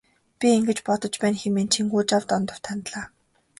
Би ингэж бодож байна хэмээн Чингүнжав Дондогт хандлаа.